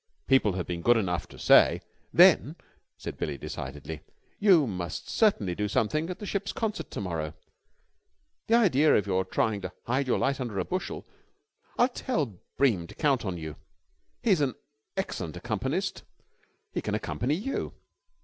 "People have been good enough to say...." "Then," said Billie decidedly, "you must certainly do something at the ship's concert to morrow! The idea of your trying to hide your light under a bushel! I will tell Bream to count on you. He is an excellent accompanist. He can accompany you."